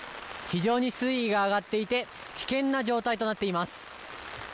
非常に水位が上がっていて危険な状態となっています。